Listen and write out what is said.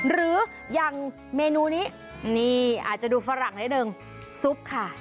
หรืออย่างเมนูนี้นี่อาจจะดูฝรั่งนิดนึงซุปค่ะ